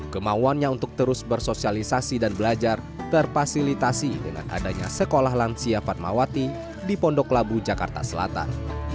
kemauannya untuk terus bersosialisasi dan belajar terfasilitasi dengan adanya sekolah lansia fatmawati di pondok labu jakarta selatan